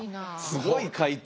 すごい解答。